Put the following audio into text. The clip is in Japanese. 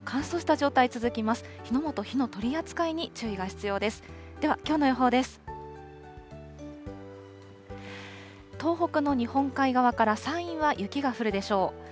東北の日本海側から山陰は雪が降るでしょう。